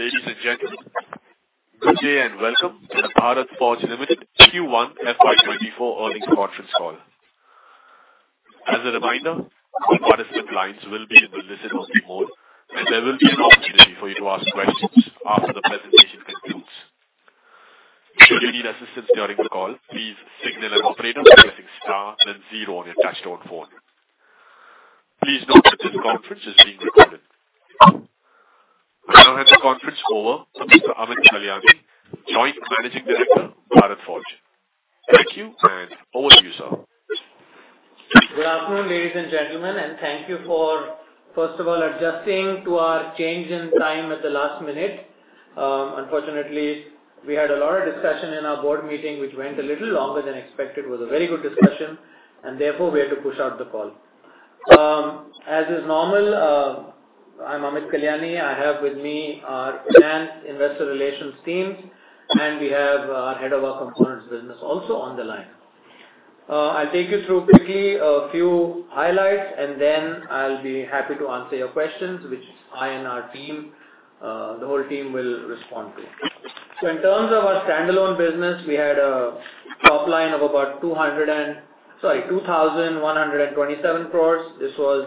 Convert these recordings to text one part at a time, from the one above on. Ladies and gentlemen, good day, welcome to the Bharat Forge Limited Q1 FY 2024 earnings conference call. As a reminder, all participant lines will be in the listen-only mode, there will be an opportunity for you to ask questions after the presentation concludes. If you need assistance during the call, please signal an operator by pressing star then zero on your touchtone phone. Please note that this conference is being recorded. I now hand the conference over to Mr. Amit Kalyani, Joint Managing Director, Bharat Forge. Thank you, over to you, sir. Good afternoon, ladies and gentlemen, thank you for, first of all, adjusting to our change in time at the last minute. Unfortunately, we had a lot of discussion in our board meeting, which went a little longer than expected. It was a very good discussion, therefore, we had to push out the call. As is normal, I'm Amit Kalyani. I have with me our enhanced investor relations teams, we have our head of our components business also on the line. I'll take you through quickly a few highlights, then I'll be happy to answer your questions, which I and our team, the whole team will respond to. In terms of our standalone business, we had a top line of about 2,127 crore. This was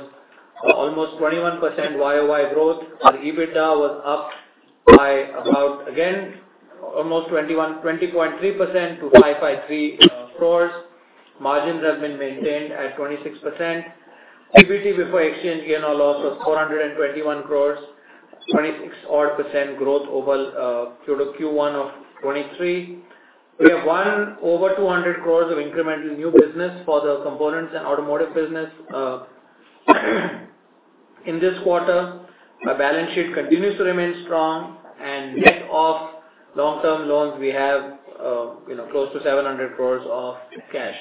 almost 21% YOY growth. Our EBITDA was up by about, again, almost 21%, 20.3% to 553 crores. Margins have been maintained at 26%. PBT before exchange, gain or loss of 421 crores, 26 odd % growth over Q1 of 2023. We have won over 200 crores of incremental new business for the components and automotive business in this quarter. Our balance sheet continues to remain strong, and net of long-term loans, we have, you know, close to 700 crores of cash.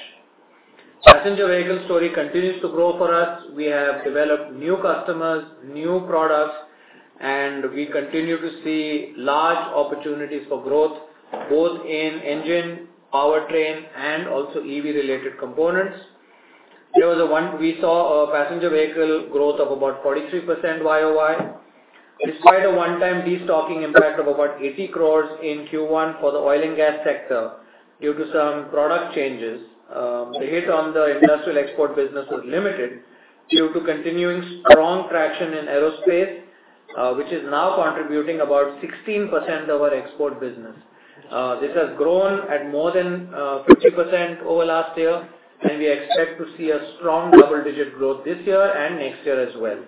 Passenger vehicle story continues to grow for us. We have developed new customers, new products, and we continue to see large opportunities for growth, both in engine, powertrain, and also EV-related components. We saw a passenger vehicle growth of about 43% YOY, despite a one-time destocking impact of about 80 crore in Q1 for the oil and gas sector due to some product changes. The hit on the industrial export business was limited due to continuing strong traction in aerospace, which is now contributing about 16% of our export business. This has grown at more than 50% over last year, and we expect to see a strong double-digit growth this year and next year as well.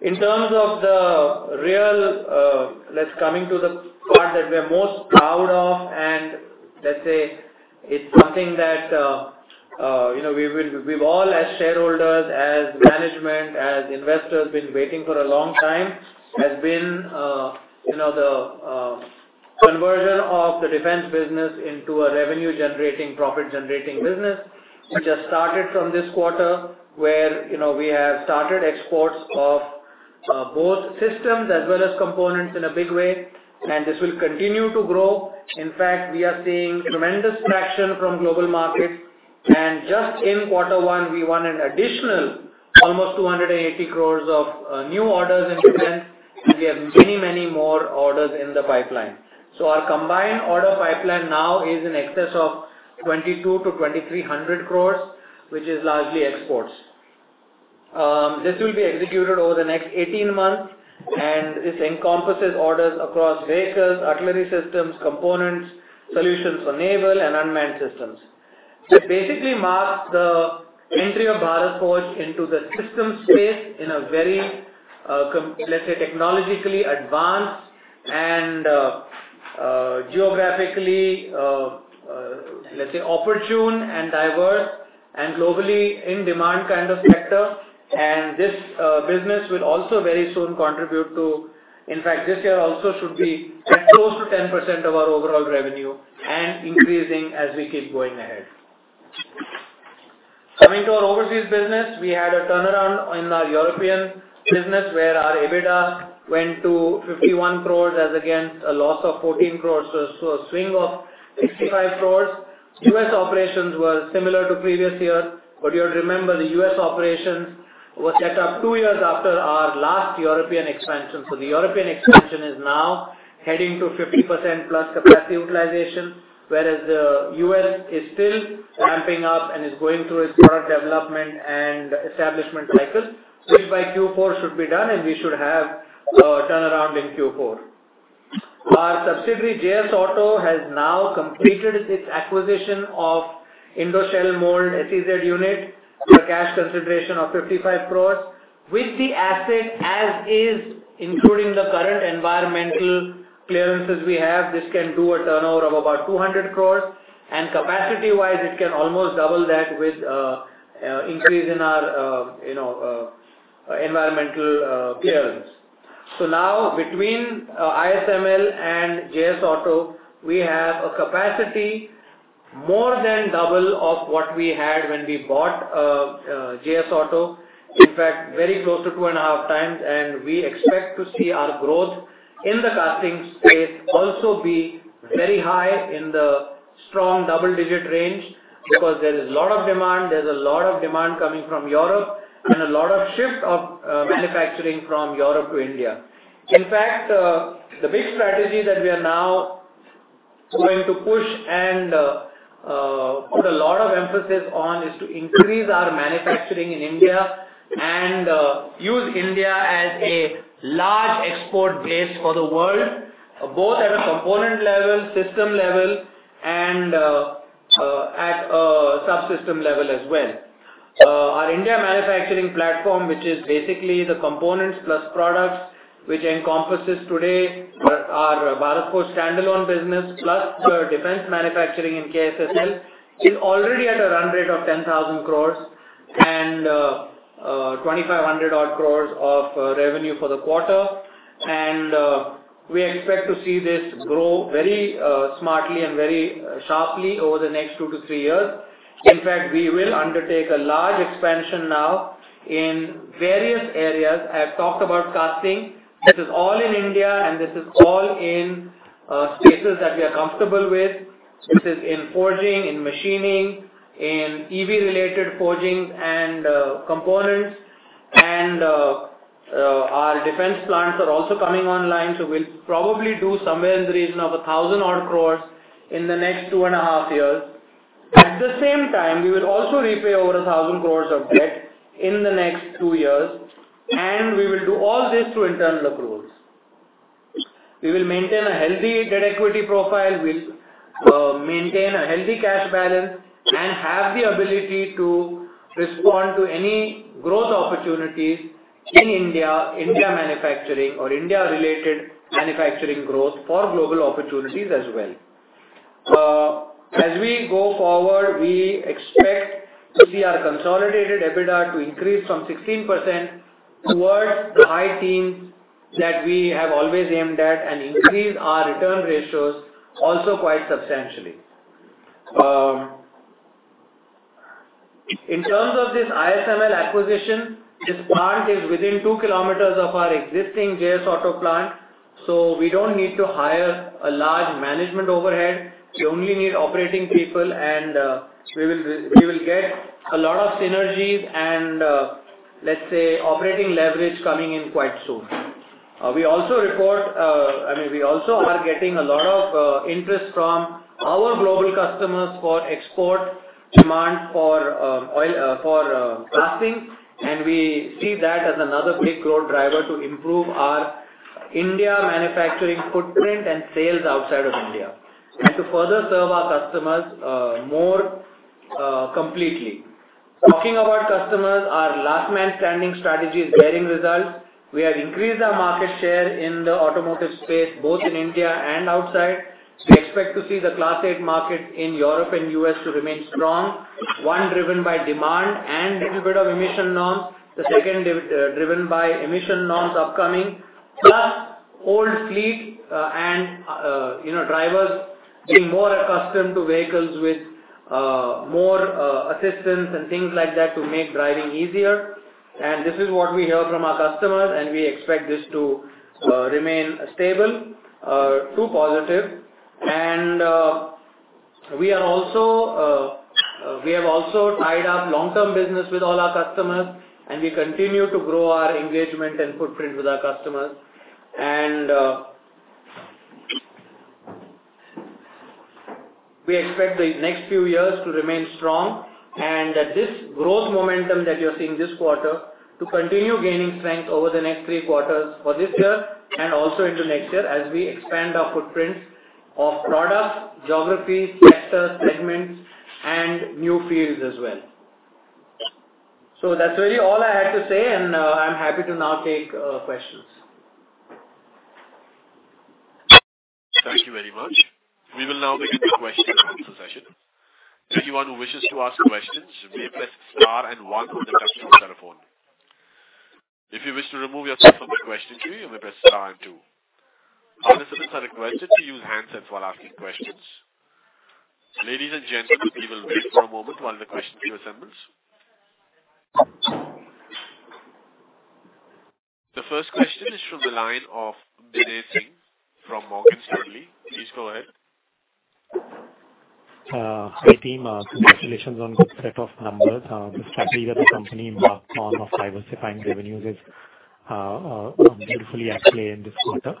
In terms of the real, let's, coming to the part that we're most proud of, and let's say it's something that, you know, we've, we've all, as shareholders, as management, as investors, been waiting for a long time, has been, you know, the conversion of the defense business into a revenue-generating, profit-generating business, which has started from this quarter, where, you know, we have started exports of both systems as well as components in a big way, and this will continue to grow. In fact, we are seeing tremendous traction from global markets, and just in Q1, we won an additional almost 280 crore of new orders in Defense, and we have many, many more orders in the pipeline. Our combined order pipeline now is in excess of 2,200-2,300 crore, which is largely exports. This will be executed over the next 18 months, this encompasses orders across vehicles, artillery systems, components, solutions for naval, and unmanned systems. This basically marks the entry of Bharat Forge into the systems space in a very, let's say, technologically advanced and geographically, let's say, opportune and diverse and globally in-demand kind of sector. This business will also very soon contribute to, in fact, this year also should be at close to 10% of our overall revenue and increasing as we keep going ahead. Coming to our overseas business, we had a turnaround in our European business, where our EBITDA went to 51 crores, as against a loss of 14 crores. A swing of 65 crores. U.S. operations were similar to previous years. You'll remember, the U.S. operations were set up two years after our last European expansion. The European expansion is now heading to 50% plus capacity utilization, whereas the U.S. is still ramping up and is going through its product development and establishment cycle, which by Q4 should be done, and we should have a turnaround in Q4. Our subsidiary, JS Auto, has now completed its acquisition of Indo Shell Mould SEZ unit, for cash consideration of 55 crore. With the asset as is, including the current environmental clearances we have, this can do a turnover of about 200 crore, and capacity-wise, it can almost double that with increase in our, you know, environmental clearance. Now between ISML and JS Auto, we have a capacity more than double of what we had when we bought JS Auto. In fact, very close to 2.5 times, and we expect to see our growth in the casting space also be very high strong double-digit range, because there is a lot of demand. There's a lot of demand coming from Europe, and a lot of shift of manufacturing from Europe to India. In fact, the big strategy that we are now going to push and put a lot of emphasis on, is to increase our manufacturing in India and use India as a large export base for the world, both at a component level, system level, and at a subsystem level as well. Our India manufacturing platform, which is basically the components plus products, which encompasses today our Bharat Forge standalone business, plus the defense manufacturing in KSSL, is already at a run rate of 10,000 crore and 2,500 crore odd of revenue for the quarter. We expect to see this grow very smartly and very sharply over the next two to three years. In fact, we will undertake a large expansion now in various areas. I have talked about casting. This is all in India, and this is all in spaces that we are comfortable with. This is in forging, in machining, in EV-related forgings and components. Our defense plants are also coming online, so we'll probably do somewhere in the region of 1,000 crore odd in the next two and a half years. At the same time, we will also repay over 1,000 crore of debt in the next two years. We will do all this through internal accruals. We will maintain a healthy debt equity profile, we'll maintain a healthy cash balance. Have the ability to respond to any growth opportunities in India, India manufacturing, or India-related manufacturing growth for global opportunities as well. As we go forward, we expect to see our consolidated EBITDA to increase from 16% towards the high teens that we have always aimed at. Increase our return ratios also quite substantially. In terms of this ISML acquisition, this plant is within two km of our existing JS Auto plant. We don't need to hire a large management overhead. We only need operating people, we will, we will get a lot of synergies and, let's say, operating leverage coming in quite soon. We also report, I mean, we also are getting a lot of interest from our global customers for export demand for oil, for casting, and we see that as another big growth driver to improve our India manufacturing footprint and sales outside of India, and to further serve our customers more completely. Talking about customers, our last man standing strategy is bearing results. We have increased our market share in the automotive space, both in India and outside. We expect to see the Class A market in Europe and US to remain strong, driven by demand and little bit of emission norms. The second, driven, driven by emission norms upcoming, plus old fleet, and, you know, drivers getting more accustomed to vehicles with more assistance and things like that to make driving easier. This is what we hear from our customers, and we expect this to remain stable to positive. We are also, we have also tied up long-term business with all our customers, and we continue to grow our engagement and footprint with our customers. We expect the next few years to remain strong, and that this growth momentum that you're seeing this quarter, to continue gaining strength over the next three quarters for this year and also into next year, as we expand our footprints of products, geographies, sectors, segments, and new fields as well. That's really all I had to say, and, I'm happy to now take, questions. Thank you very much. We will now begin the question and answer session. Anyone who wishes to ask questions, may press star and one on their telephone. If you wish to remove yourself from the question queue, you may press star and two. Participants are requested to use handsets while asking questions. Ladies and gentlemen, we will wait for a moment while the questions assemble. The first question is from the line of Binay Singh from Morgan Stanley. Please go ahead. Hi, team. Congratulations on good set of numbers. The strategy that the company embarked on of diversifying revenues is, beautifully actually in this quarter.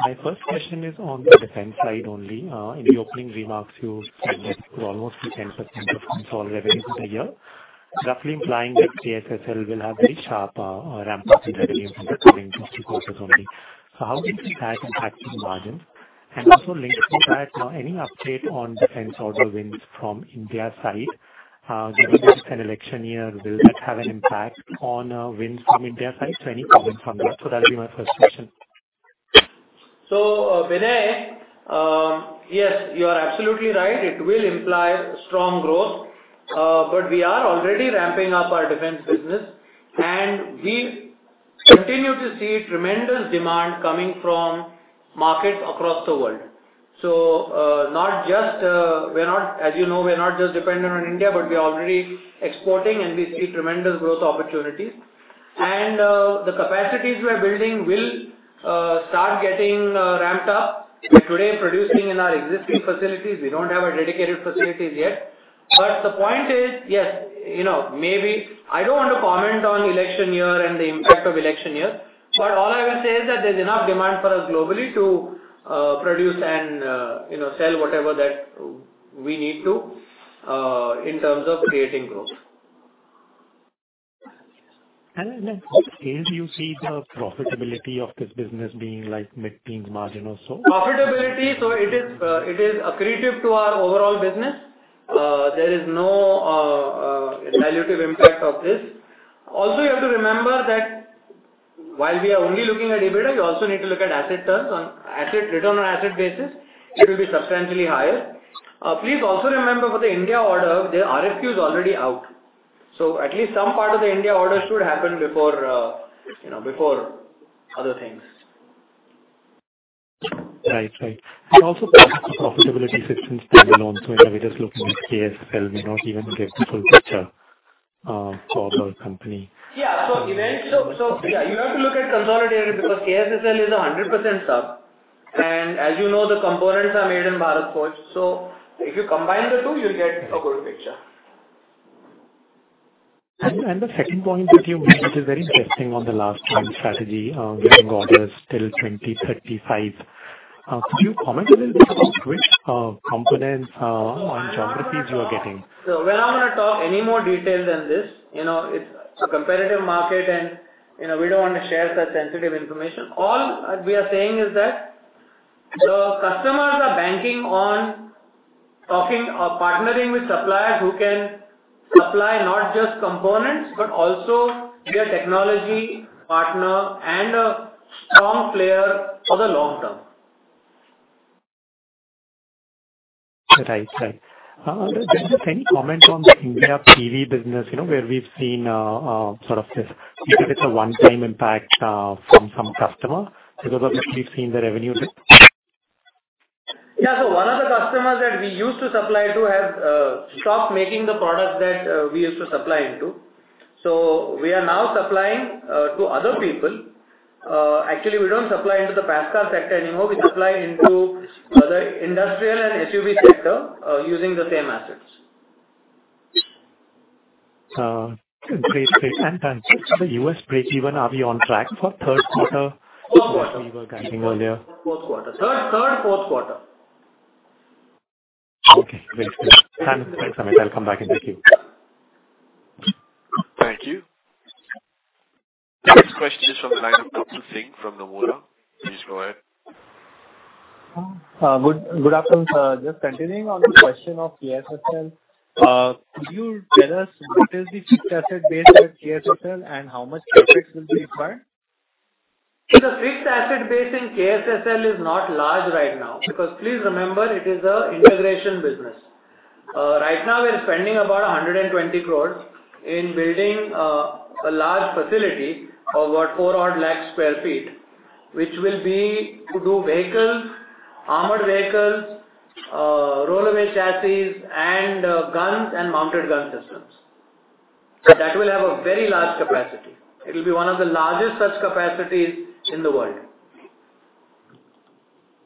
My first question is on the defense side only. In the opening remarks, you suggested to almost 10% of defense all revenue for the year, roughly implying that KSSL will have very sharp ramp up in revenues in the coming 2-3 quarters only. How do you think that impacts the margin? Also linked to that, any update on defense order wins from India side? Given that it's an election year, will that have an impact on wins from India side? Any comment on that? That'll be my first question. Binay, yes, you are absolutely right. It will imply strong growth, but we are already ramping up our defense business, and we continue to see tremendous demand coming from markets across the world. Not just, we're not As you know, we're not just dependent on India, but we are already exporting, and we see tremendous growth opportunities. The capacities we are building will start getting ramped up. We're today producing in our existing facilities. We don't have our dedicated facilities yet. The point is, yes, you know, maybe I don't want to comment on election year and the impact of election year, but all I will say is that there's enough demand for us globally to produce and, you know, sell whatever that we need to in terms of creating growth. And where do you see the profitability of this business being like mid-teens margin or so? Profitability, it is, it is accretive to our overall business. There is no, dilutive impact of this. You have to remember that while we are only looking at EBITDA, you also need to look at asset turns. On asset, return on asset basis, it will be substantially higher. Please also remember for the India order, the RFQ is already out, at least some part of the India order should happen before, you know, before other things. Right. Right. Also profitability systems stand alone, so if we just look at KSSL, may not even give the full picture for the company. Yeah. You have to look at consolidated, because KSSL is a 100% sub, and as you know, the components are made in Bharat Forge. If you combine the two, you'll get a good picture. And the second point that you made, which is very interesting on the last point, strategy, getting orders till 2035. Could you comment a little bit about which components on geographies you are getting? We're not gonna talk any more detail than this. You know, it's a competitive market, and, you know, we don't want to share such sensitive information. All we are saying is that the customers are banking on talking or partnering with suppliers who can supply not just components, but also be a technology partner and a strong player for the long term. Right. Right. Just any comment on the India PV business, you know, where we've seen sort of this, if it's a one-time impact from some customer, because we've seen the revenue dip? Yeah. One of the customers that we used to supply to has stopped making the products that we used to supply into. We are now supplying to other people. Actually, we don't supply into the PassCar sector anymore. We supply into other industrial and SUV sector using the same assets. Great. Great. The U.S. breakeven, are we on track for third quarter? Fourth quarter. We were guiding earlier. Fourth quarter. Third, third, fourth quarter. Okay, great. Thanks, Amit, I'll come back and thank you. Thank you. The next question is from the line of Kapil Singh from Nomura. Please go ahead. Good, good afternoon. Just continuing on the question of KSSL, could you tell us what is the fixed asset base at KSSL and how much CapEx will be required? The fixed asset base in KSSL is not large right now, because please remember, it is a integration business. Right now we're spending about 120 crores in building a large facility of about 4 lakh sq ft, which will be to do vehicles, armored vehicles, roll away chassis and guns and mounted gun systems. That will have a very large capacity. It will be one of the largest such capacities in the world.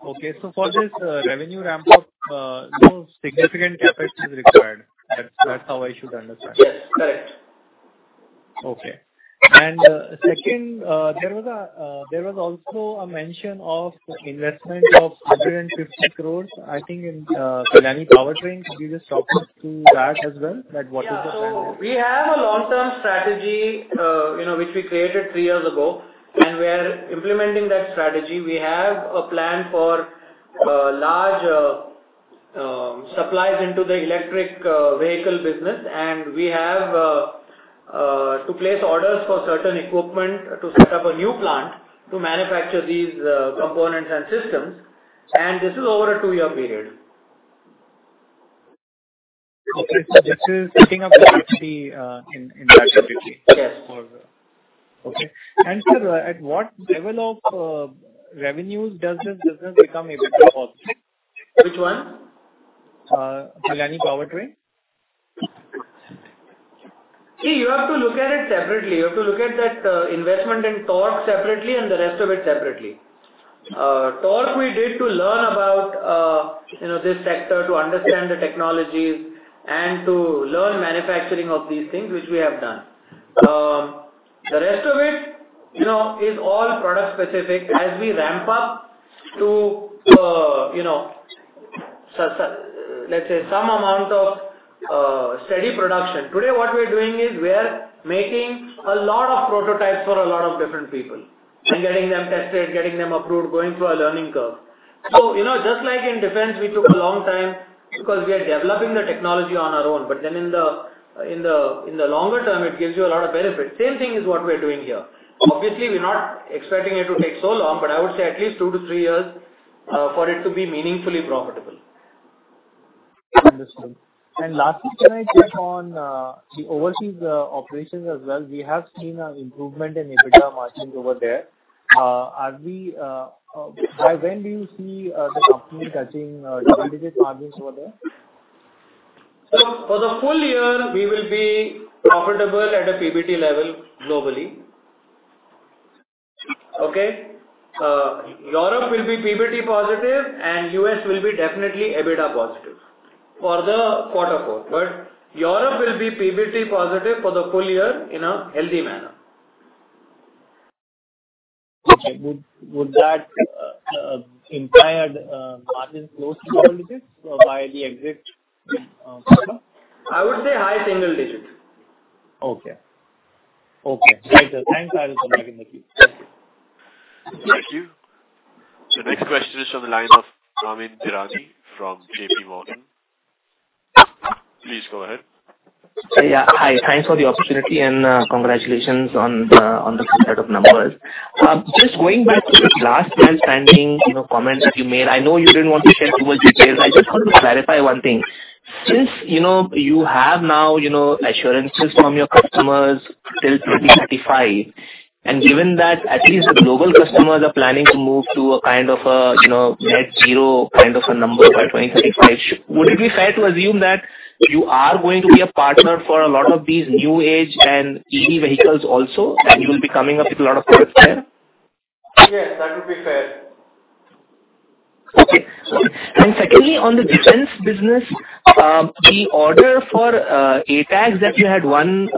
Okay. For this, revenue ramp up, no significant CapEx is required. That's, that's how I should understand? Yes, correct. Okay. Second, there was a, there was also a mention of investment of 150 crore, I think, in Kalyani Powertrain. Could you just talk us through that as well? That what is the plan? Yeah. We have a long-term strategy, you know, which we created three years ago, and we are implementing that strategy. We have a plan for large supplies into the electric vehicle business, and we have to place orders for certain equipment to set up a new plant to manufacture these components and systems. This is over a two-year period. Okay. this is picking up the IP, in, in... Yes. Okay. sir, at what level of revenues does this business become EBITDA positive? Which one? Kalyani Powertrain. You have to look at it separately. You have to look at that investment in Tork separately and the rest of it separately. Tork we did to learn about, you know, this sector, to understand the technologies and to learn manufacturing of these things, which we have done. The rest of it, you know, is all product specific. As we ramp up to, you know, let's say, some amount of steady production. Today, what we're doing is we are making a lot of prototypes for a lot of different people and getting them tested, getting them approved, going through a learning curve. You know, just like in defense, we took a long time because we are developing the technology on our own, but then in the, in the, in the longer term, it gives you a lot of benefit. Same thing is what we're doing here. Obviously, we're not expecting it to take so long, I would say at least two to three years for it to be meaningfully profitable. Understood. Lastly, can I check on the overseas operations as well? We have seen an improvement in EBITDA margins over there. Are we by when do you see the company touching double-digit margins over there? For the full year, we will be profitable at a PBT level globally. Okay? Europe will be PBT positive, and US will be definitely EBITDA positive for the quarter four. Europe will be PBT positive for the full year in a healthy manner. Okay. Would, would that imply margin close to double digits by the exit quarter? I would say high single digits. Okay. Okay. Great, thanks. I will come back in the queue. Thank you. The next question is from the line of Amyn Pirani from JP Morgan. Please go ahead. Yeah. Hi, thanks for the opportunity and congratulations on the set of numbers. Just going back to the last man standing, you know, comment that you made, I know you didn't want to share too much details. I just wanted to clarify one thing. Since you know, you have now, you know, assurances from your customers till 2035, and given that at least the global customers are planning to move to a kind of a, you know, net zero kind of a number by 2035, would it be fair to assume that you are going to be a partner for a lot of these new age and EV vehicles also, and you will be coming up with a lot of products there? Yes, that would be fair. Okay. Secondly, on the defense business, the order for ATAGS that you had won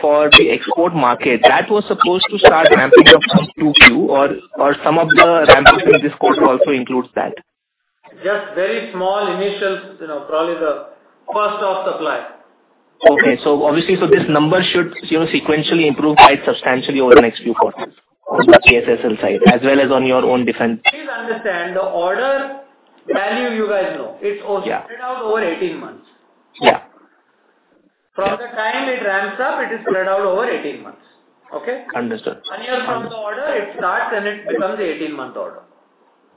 for the export market, that was supposed to start ramping up from Q2, or some of the ramp up in this quarter also includes that? Just very small initial, you know, probably the first of supply. Okay. Obviously, so this number should, you know, sequentially improve quite substantially over the next few quarters on the KSSL side, as well as on your own defense. Please understand the order value you guys know. Yeah. It's spread out over 18 months. Yeah. From the time it ramps up, it is spread out over 18 months. Okay? Understood. One year from the order, it starts and it becomes an 18-month order.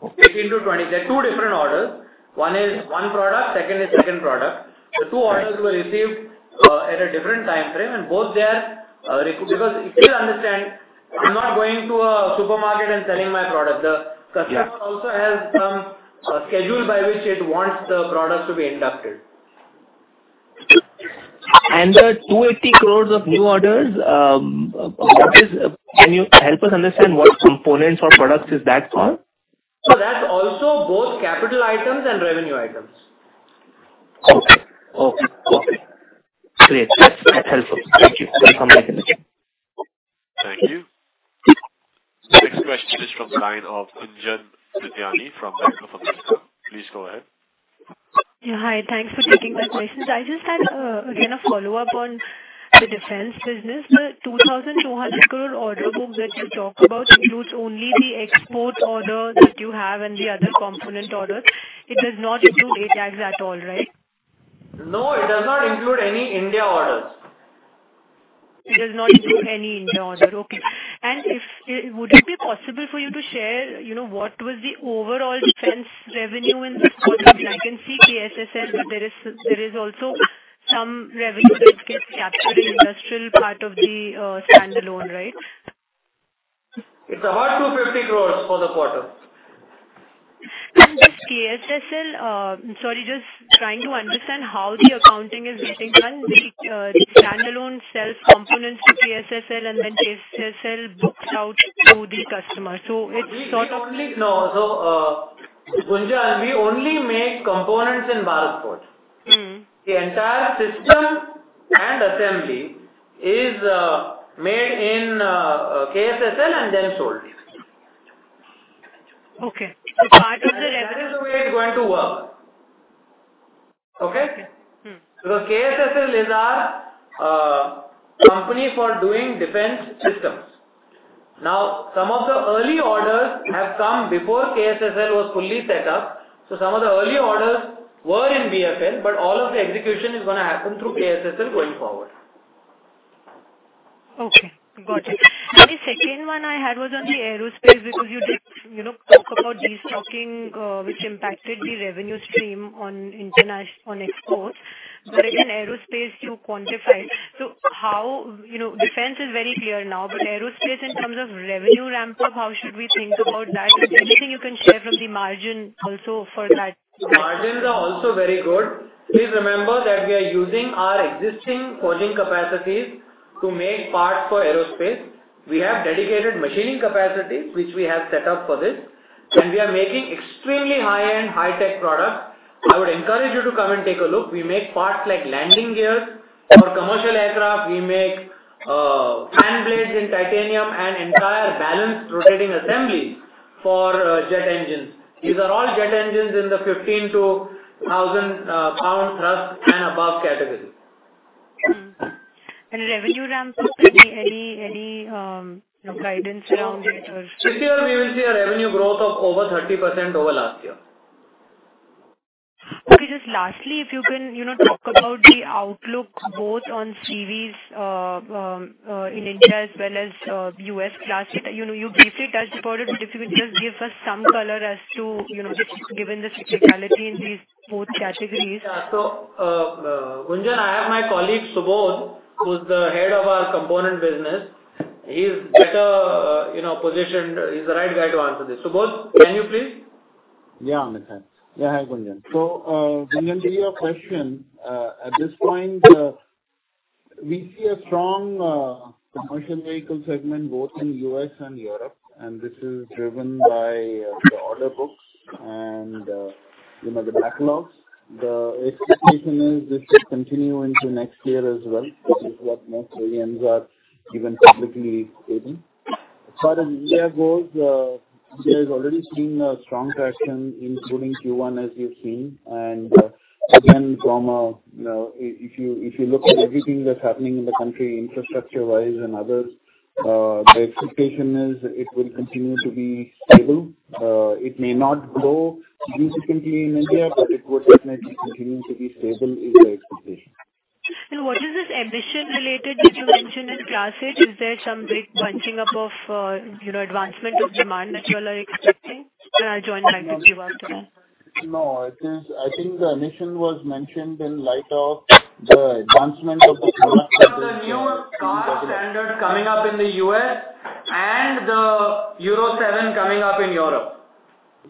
Okay. 18-20. There are two different orders. One is one product, second is second product. Right. The two orders were received, at a different time frame, and both they are, because please understand, I'm not going to a supermarket and selling my product. Yeah. The customer also has some schedule by which it wants the products to be inducted. The 280 crore of new orders, what is... Can you help us understand what components or products is that for? That's also both capital items and revenue items. Okay. Okay, perfect. Great. That's, that's helpful. Thank you. Will come back in the queue. Thank you. The next question is from the line of Gunjan Prithyani from Bank of America. Please go ahead. Yeah, hi, thanks for taking my questions. I just had, again, a follow-up on the defense business. The 2,200 crore order book that you talk about includes only the export order that you have and the other component orders. It does not include ATAGS at all, right? No, it does not include any India orders. It does not include any India order. Okay. If, would it be possible for you to share, you know, what was the overall defense revenue in this quarter? I can see KSSL, there is also some revenue that gets captured in industrial part of the, standalone, right? It's a hard 250 crore for the quarter. Does KSSL... Sorry, just trying to understand how the accounting is getting done. The standalone sells components to KSSL and then KSSL books out to the customer. It's sort of- We only, no, no, Gunjan, we only make components in Bharat Forge. Mm-hmm. The entire system and assembly is made in KSSL and then sold. Okay. That is the way it's going to work. Okay? Mm-hmm. KSSL is our company for doing defense systems. Now, some of the early orders have come before KSSL was fully set up, so some of the early orders were in BFL, but all of the execution is gonna happen through KSSL going forward. Okay, got it. The second one I had was on the aerospace, because you did, you know, talk about destocking, which impacted the revenue stream on exports. In aerospace, you quantified. How, you know, defense is very clear now, but aerospace in terms of revenue ramp-up, how should we think about that? Is there anything you can share from the margin also for that? Margins are also very good. Please remember that we are using our existing forging capacities to make parts for aerospace. We have dedicated machining capacity, which we have set up for this, and we are making extremely high-end, high-tech products. I would encourage you to come and take a look. We make parts like landing gears. For commercial aircraft, we make fan blades in titanium and entire balanced rotating assemblies for jet engines. These are all jet engines in the 15-1,000 pound thrust and above category. Mm-hmm. Revenue ramp-up, any, any guidance around that as well? This year we will see a revenue growth of over 30% over last year. Okay, just lastly, if you can, you know, talk about the outlook both on CVs, in India as well as, US Class. You know, you briefly touched upon it, but if you could just give us some color as to, you know, just given the cyclicality in these both categories. Yeah. Gunjan, Subodh, who's the head of our component business, he's better, you know, positioned. He's the right guy to answer this. Subodh, can you please? Yeah, Amit. Yeah, hi, Gunjan. Gunjan, to your question, at this point, we see a strong commercial vehicle segment both in U.S. and Europe, and this is driven by the order books and, you know, the backlogs. The expectation is this will continue into next year as well, which is what most OEMs are even publicly stating. As far as India goes, there's already seen a strong traction, including Q1, as you've seen. Again, from a, you know, if you look at everything that's happening in the country, infrastructure-wise and others, the expectation is it will continue to be stable. It may not grow significantly in India, but it would definitely continue to be stable is the expectation. What is this ambition related that you mentioned in transit? Is there some big bunching up of, you know, advancement of demand that you all are expecting? I'll join back with you after that. No, it is... I think the mission was mentioned in light of the advancement of the- Of the new car standards coming up in the US and the Euro 7 coming up in Europe.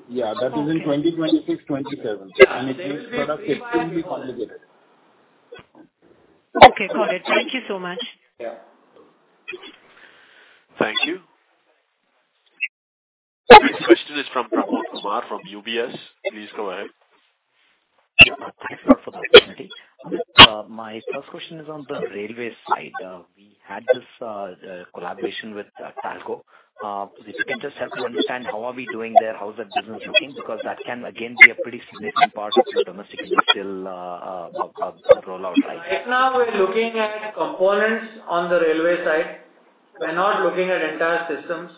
Yeah. Okay. That is in 2026, 2027, and it is sort of extremely complicated. Okay, got it. Thank you so much. Yeah. Thank you. Next question is from Pramod Kumar from UBS. Please go ahead. Thank you for the opportunity. My first question is on the railway side. We had this collaboration with Talgo. If you can just help me understand how are we doing there, how is that business looking? Because that can again be a pretty significant part of your domestic industrial rollout, right? Right now, we're looking at components on the railway side. We're not looking at entire systems.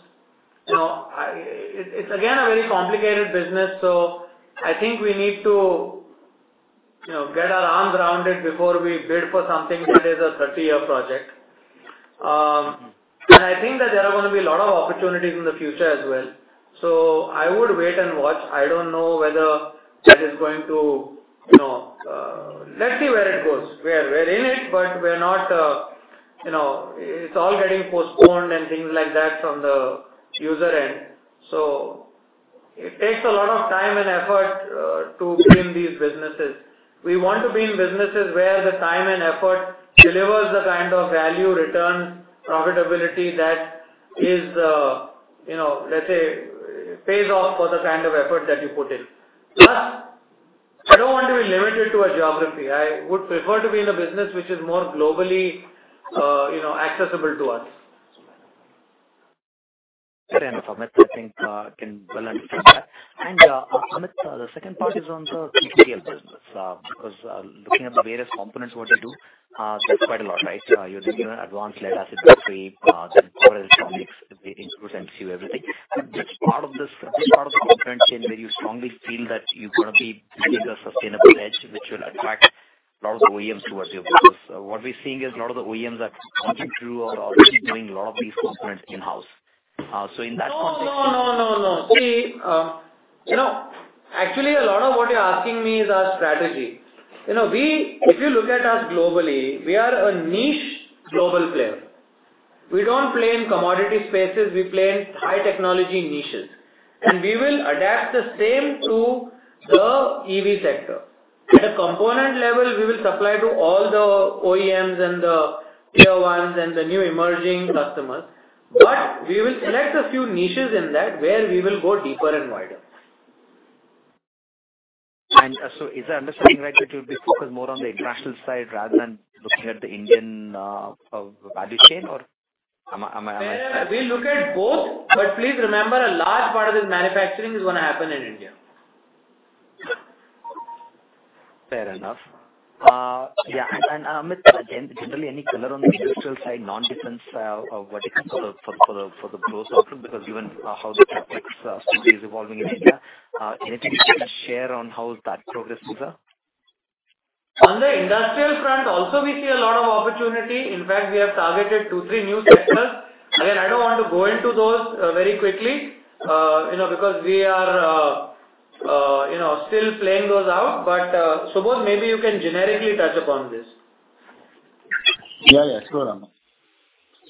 You know, it's again, a very complicated business, so I think we need to, you know, get our arms around it before we build for something that is a 30-year project. I think that there are gonna be a lot of opportunities in the future as well. I would wait and watch. I don't know whether that is going to, you know... Let's see where it goes. We are, we're in it, but we're not, you know, it's all getting postponed and things like that from the user end. It takes a lot of time and effort to be in these businesses. We want to be in businesses where the time and effort delivers the kind of value, return, profitability that is, you know, let's say, pays off for the kind of effort that you put in. Plus, I don't want to be limited to a geography. I would prefer to be in a business which is more globally, you know, accessible to us. Fair enough, Amit. I think, can well understand that. Amit, the second part is on the material business. Looking at the various components, what they do, that's quite a lot, right? You're doing an advanced lead acid battery, then several electronics, including MCU, everything. Which part of this, which part of the component chain where you strongly feel that you're gonna be, get a sustainable edge, which will attract a lot of the OEMs towards you? What we're seeing is a lot of the OEMs are thinking through or already doing a lot of these components in-house. In that context- No, no, no, no, no. See, you know, actually, a lot of what you're asking me is our strategy. You know, we, if you look at us globally, we are a niche global player. We don't play in commodity spaces, we play in high technology niches, and we will adapt the same to the EV sector. At a component level, we will supply to all the OEMs and the Tier 1s and the new emerging customers, but we will select a few niches in that where we will go deeper and wider. So is my understanding right, that you'll be focused more on the international side rather than looking at the Indian value chain, or am I? We look at both. Please remember, a large part of this manufacturing is gonna happen in India. Fair enough. Yeah, and, and, Amit, generally, any color on the industrial side, non-defense, vertical for the growth outlook, because given how the CapEx, is evolving in India, anything you can share on how that progress is? On the industrial front, also we see a lot of opportunity. In fact, we have targeted two, three new sectors. Again, I don't want to go into those very quickly, you know, because we are, you know, still playing those out. Subodh, maybe you can generically touch upon this. Yeah, yeah, sure, Amit.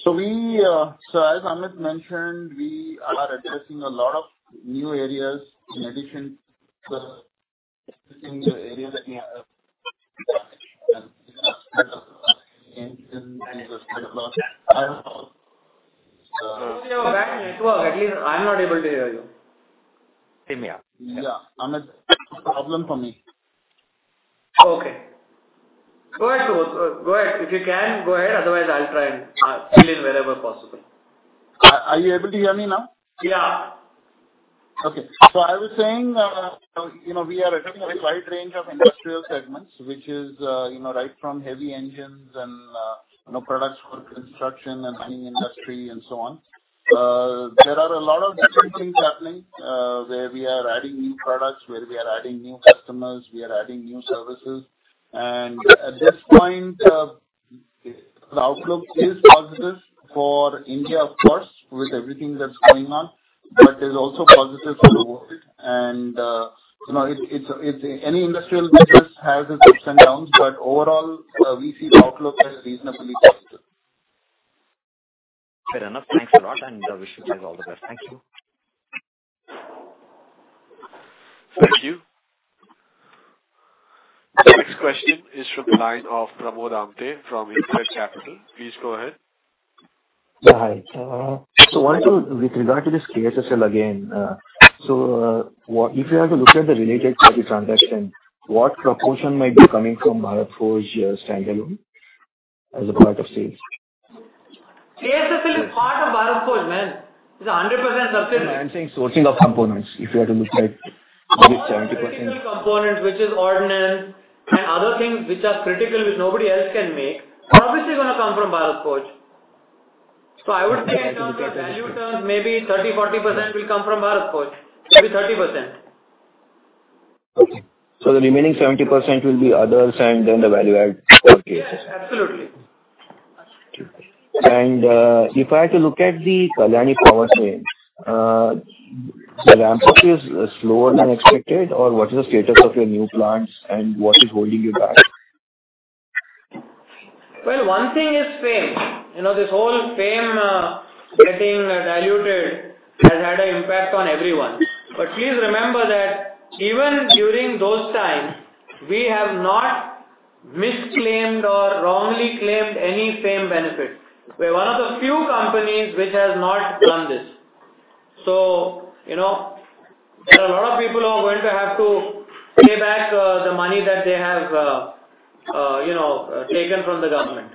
As Amit mentioned, we are addressing a lot of new areas in addition to the area that we have. Subodh, you have back network again. I'm not able to hear you. Same here. Yeah, Amit, problem for me. Okay. Go ahead, Subodh. Go, go ahead. If you can, go ahead, otherwise, I'll try and fill in wherever possible. Are you able to hear me now? Yeah. Okay. I was saying, you know, we are addressing a wide range of industrial segments, which is, you know, right from heavy engines and, you know, products for construction and mining industry and so on. There are a lot of different things happening, where we are adding new products, where we are adding new customers, we are adding new services. At this point, the outlook is positive for India, of course, with everything that's going on, but is also positive for the world.... You know, any industrial business has its ups and downs, but overall, we see the outlook as reasonably positive. Fair enough. Thanks a lot, and wish you guys all the best. Thank you. Thank you. The next question is from the line of Pramod Amte from InCred Capital. Please go ahead. Hi. Wanted to with regard to this KSSL again, so, if you have to look at the related party transaction, what proportion might be coming from Bharat Forge standalone as a part of sales? KSSL is part of Bharat Forge, man. It's a 100% subsidiary. I'm saying sourcing of components, if you had to look at maybe 70%. Components, which is ordnance and other things which are critical, which nobody else can make, obviously, going to come from Bharat Forge. I would say in terms of value terms, maybe 30%-40% will come from Bharat Forge. Maybe 30%. Okay. The remaining 70% will be others, and then the value add for KSSL. Yes, absolutely. If I had to look at the Kalyani Powertrain, the ramp up is slower than expected, or what is the status of your new plants and what is holding you back? One thing is FAME. You know, this whole FAME, getting diluted has had an impact on everyone. Please remember that even during those times, we have not misclaimed or wrongly claimed any FAME benefit. We're one of the few companies which has not done this. You know, there are a lot of people who are going to have to pay back the money that they have, you know, taken from the government.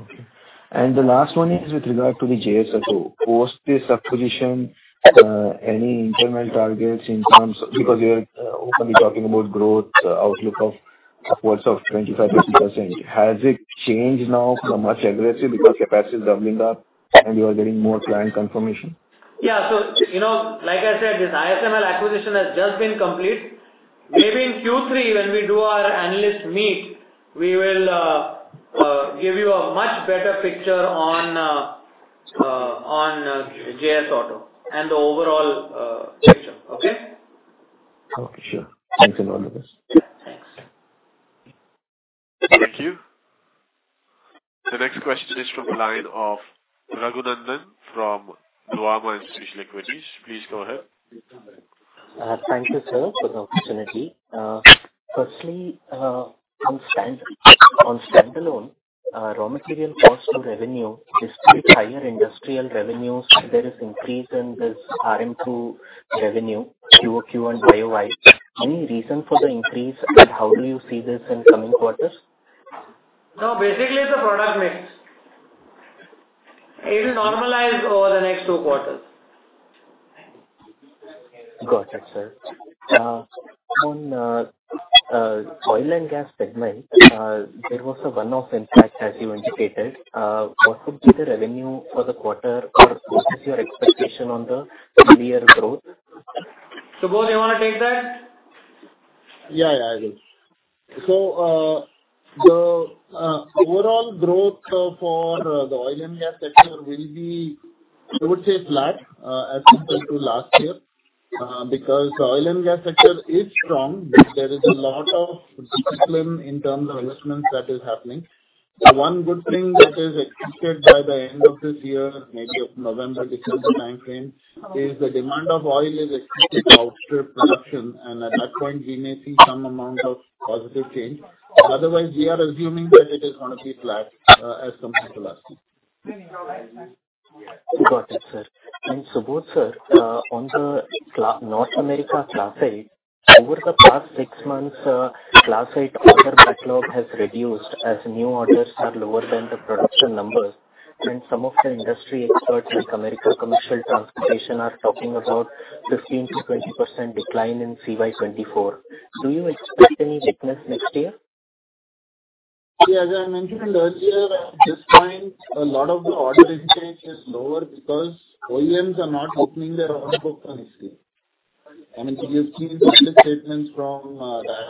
Okay. The last one is with regard to the JS Auto. Post this acquisition, any internal targets in terms...? Because you're openly talking about growth, outlook of upwards of 25%, 26%. Has it changed now from much aggressive because capacity is doubling up and you are getting more client confirmation? Yeah. So, you know, like I said, this ISML acquisition has just been complete. Maybe in Q3, when we do our analyst meet, we will give you a much better picture on JS Auto and the overall picture. Okay? Okay, sure. Thanks and all the best. Thanks. Thank you. The next question is from the line of Raghunandhan NL from Edelweiss Institutional Equities. Please go ahead. Thank you, sir, for the opportunity. Firstly, on standalone, raw material cost to revenue is still higher industrial revenues. There is increase in this RM to revenue, QOQ and YOY. Any reason for the increase, and how do you see this in coming quarters? No, basically, it's a product mix. It'll normalize over the next two quarters. Got it, sir. On oil and gas segment, there was a one-off impact, as you indicated. What could be the revenue for the quarter, or what is your expectation on the year growth? Subodh, you want to take that? Yeah, yeah, I will. The overall growth for the oil and gas sector will be, I would say, flat as compared to last year, because oil and gas sector is strong, but there is a lot of discipline in terms of investments that is happening. The one good thing that is expected by the end of this year, maybe November, December timeframe, is the demand of oil is expected to outstrip production, and at that point, we may see some amount of positive change. Otherwise, we are assuming that it is going to be flat as compared to last year. Got it, sir. Subodh, sir, on the North America Class eight, over the past six months, Class eight order backlog has reduced as new orders are lower than the production numbers, and some of the industry experts, like Americas Commercial Transportation, are talking about 15%-20% decline in CY 2024. Do you expect any weakness next year? Yeah, as I mentioned earlier, at this point, a lot of the order intake is lower because OEMs are not opening their order book honestly. I mean, you've seen the other statements from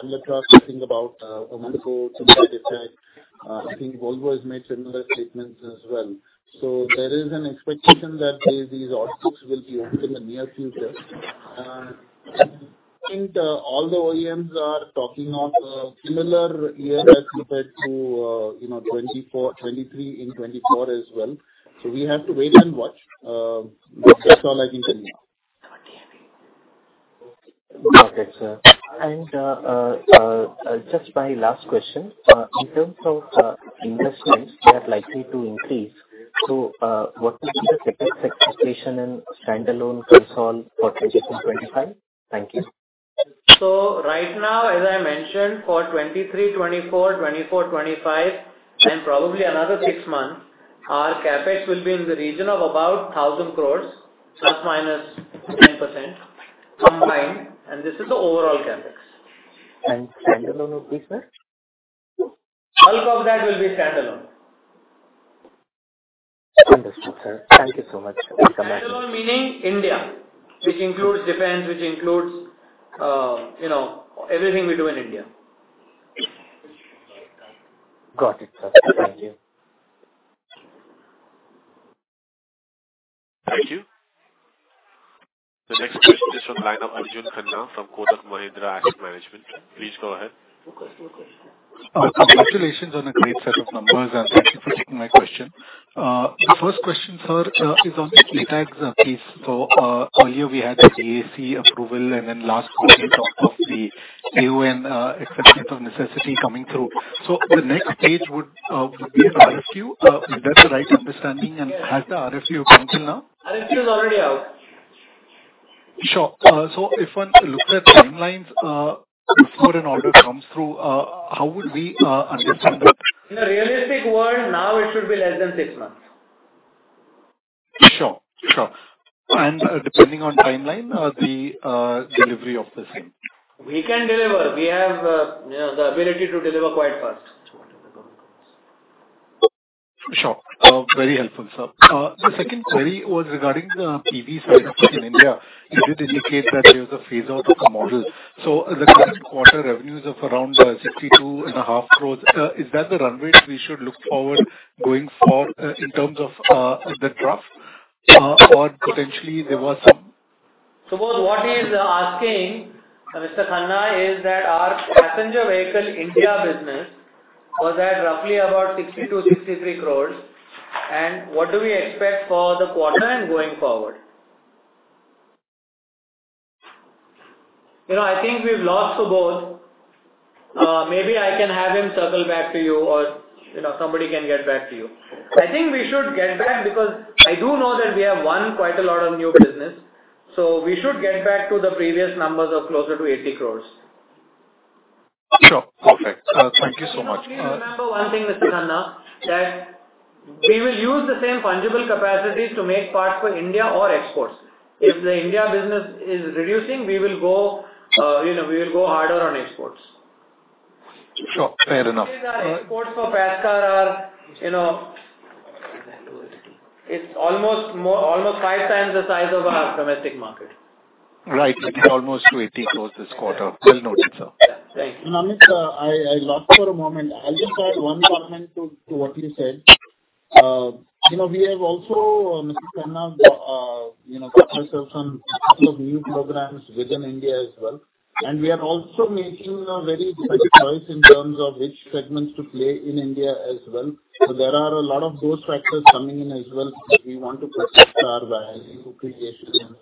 Daimler Truck talking about a month ago, similar effect. I think Volvo has made similar statements as well. There is an expectation that these order books will be open in the near future. I think all the OEMs are talking of a similar year as compared to, you know, 2024, 2023 and 2024 as well. We have to wait and watch. That's all I can say now. Got it, sir. Just my last question. In terms of investments, they are likely to increase. What is the CapEx expectation in standalone consol for 2024, 2025? Thank you. Right now, as I mentioned, for 2023, 2024, 2024, 2025, and probably another six months, our CapEx will be in the region of about 1,000 crore, ±10%, combined, and this is the overall CapEx. Standalone please, sir? Bulk of that will be standalone. Understood, sir. Thank you so much. Standalone, meaning India, which includes Defense, which includes, you know, everything we do in India. Got it, sir. Thank you. Thank you. The next question is from the line of Arjun Khanna from Kotak Mahindra Asset Management. Please go ahead. Congratulations on a great set of numbers, thank you for taking my question. The first question, sir, is on the ATAGS case. Earlier we had the DAC approval, and then last week of the AUN exception of necessity coming through. The next stage would be an RFQ, is that the right understanding, and has the RFQ come till now? RFQ is already out. Sure. If one looks at timelines, before an order comes through, how would we understand that? In a realistic world, now it should be less than six months. Sure, sure. Depending on timeline, the delivery of the same. We can deliver. We have, you know, the ability to deliver quite fast. Sure. Very helpful, sir. The second query was regarding the PV side of in India. You did indicate that there was a phase out of the model. So the current quarter revenues of around 62.5 crore, is that the runway we should look forward going forward, in terms of the trough, or potentially there was some- Subodh, what he is asking, Mr. Khanna, is that our passenger vehicle India business was at roughly about 62-63 crore, what do we expect for the quarter and going forward? You know, I think we've lost Subodh. Maybe I can have him circle back to you or, you know, somebody can get back to you. I think we should get back because I do know that we have won quite a lot of new business, so we should get back to the previous numbers of closer to 80 crore. Sure. Perfect. Thank you so much. Remember one thing, Mr. Khanna, that we will use the same fungible capacities to make parts for India or exports. If the India business is reducing, we will go, you know, we will go harder on exports. Sure. Fair enough. Our exports for PassCar are, you know, it's almost more, almost five times the size of our domestic market. Right. It's almost 280 crore this quarter. Well noted, sir. Thank you. Amit, I, I lost you for a moment. I'll just add one comment to, to what you said. You know, we have also, Mr. Khanna, you know, got ourselves some set of new programs within India as well. We are also making a very different choice in terms of which segments to play in India as well. There are a lot of those factors coming in as well that we want to protect our value creation.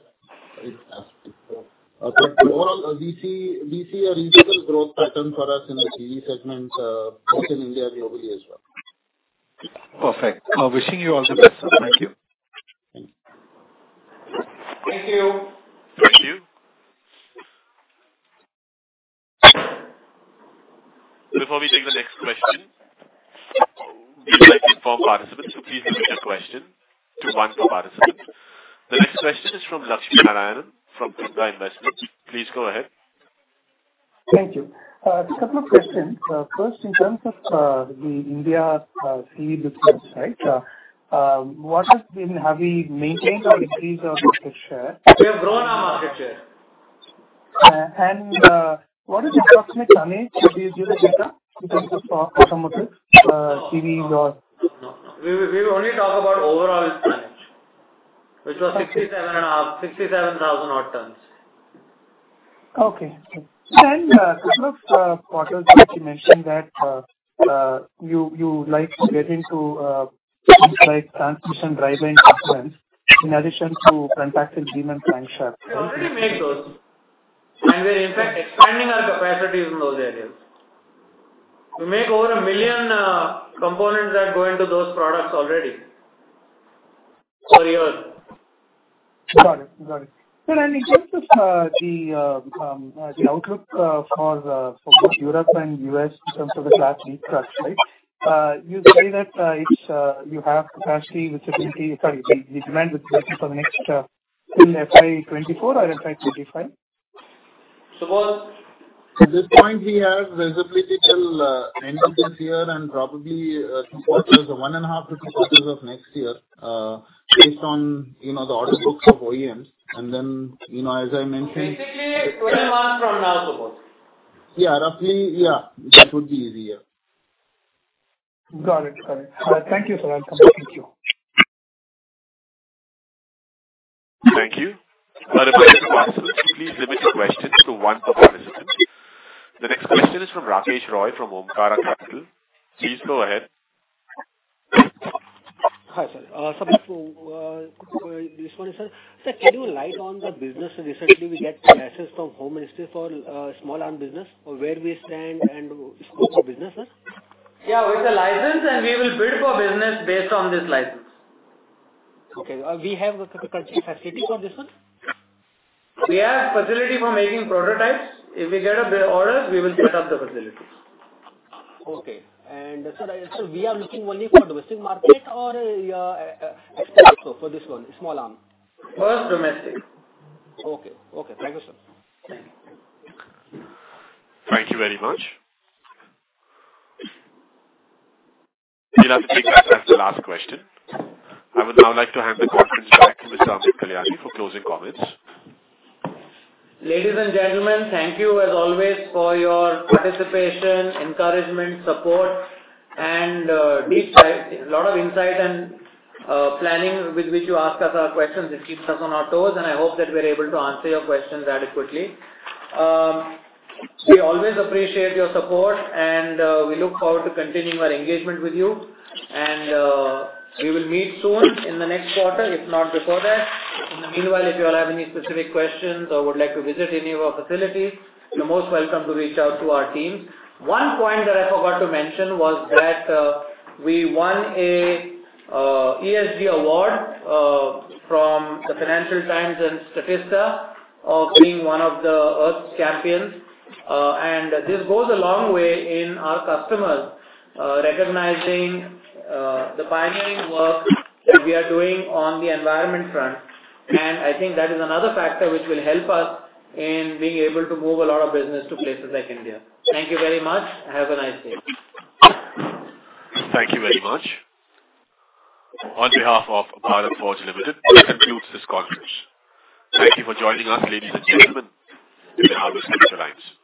Overall, we see, we see a reasonable growth pattern for us in the CV segments, both in India and globally as well. Perfect. Wishing you all the best, sir. Thank you. Thank you. Thank you. Before we take the next question, we'd like to inform participants to please limit your question to one per participant. The next question is from Lakshminarayan from Sundaram Investments. Please go ahead. Thank you. A couple of questions. First, in terms of the India CV business, right, have we maintained or increased our market share? We have grown our market share. What is the approximate tonnage that you deliver because of automotive, CVs or? No, no. We will, we will only talk about overall tonnage, which was 67.5, 67,000 odd tons. Okay. couple of quarters you mentioned that you, you like to get into things like transmission, driveway, and components, in addition to compacted beam and crankshaft. We already make those, and we're in fact expanding our capacities in those areas. We make over one million components that go into those products already for years. Got it. Got it. Sir, in terms of, the outlook, for, for both Europe and US in terms of the Class eight trucks, right? You say that, it's, you have capacity visibility, sorry, the demand visibility for next, till FY 24 or FY 25? Subodh At this point, we have visibility till end of this year and probably quarters of 1.5 to two quarters of next year, based on, you know, the order books of OEMs. Then, you know, as I mentioned. Basically, 12 months from now, Subodh. Yeah. Roughly, yeah, that would be easier. Got it. Got it. Thank you, sir. I'll come back to you. Thank you. Participants, please limit your questions to one per participant. The next question is from Rakesh Roy, from Omkara Capital. Please go ahead. Hi, sir. Sir, can you light on the business recently we get license from Home Ministry for small arm business, or where we stand and go for business, sir? Yeah, with the license, and we will build for business based on this license. Okay. We have a capacity for this one? We have facility for making prototypes. If we get the orders, we will set up the facilities. Okay. Sir, we are looking only for domestic market or export also for this one, small arm? First, domestic. Okay. Okay. Thank you, sir. Thank you very much. We have to take this as the last question. I would now like to hand the conference back to Mr. Amit Kalyani for closing comments. Ladies and gentlemen, thank you as always for your participation, encouragement, support, and deep dive. A lot of insight and planning with which you ask us our questions. It keeps us on our toes, and I hope that we're able to answer your questions adequately. We always appreciate your support, and we look forward to continuing our engagement with you. We will meet soon in the next quarter, if not before that. In the meanwhile, if you all have any specific questions or would like to visit any of our facilities, you're most welcome to reach out to our team. One point that I forgot to mention was that we won a ESG award from the Financial Times and Statista of being one of the Earth's Champions. This goes a long way in our customers recognizing the pioneering work that we are doing on the environment front. I think that is another factor which will help us in being able to move a lot of business to places like India. Thank you very much. Have a nice day. Thank you very much. On behalf of Bharat Forge Limited, that concludes this conference. Thank you for joining us, ladies and gentlemen, your handset lines.